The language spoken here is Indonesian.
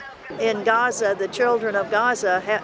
anak anak di gaza tidak memiliki telur untuk dimakan